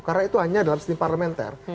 karena itu hanya dalam sistem parlementer